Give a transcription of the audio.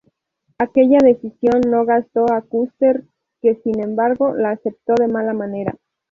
Aquella decisión no gustó a Custer, que, sin embargo, la aceptó de mala manera.